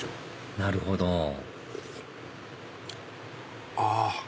なるほどあ！